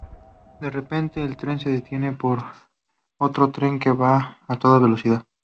De repente el tren se detiene por "otro Tren" que va a toda velocidad.